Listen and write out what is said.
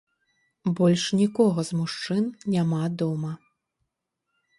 Больш нікога з мужчын няма дома.